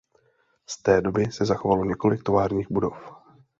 Z této doby se zachovalo několik továrních budov.